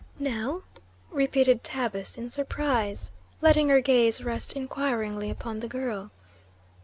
"Now?" repeated Tabus in surprise, letting her gaze rest inquiringly upon the girl.